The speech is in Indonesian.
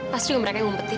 pasti mereka yang ngumpetin